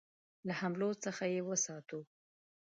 له حملو څخه یې وساتو.